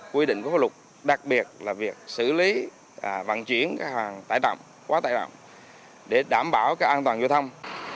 quy định khóa luật đặc biệt là việc xử lý và vận chuyển các hàng tải tạm quá tải tạm để đảm bảo các an toàn vô thông